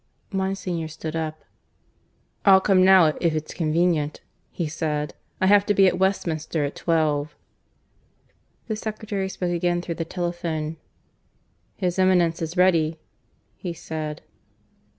Monsignor stood up. "I'll come now, if it's convenient," he said. "I have to be at Westminster at twelve." The secretary spoke again through the telephone. "His Eminence is ready," he said.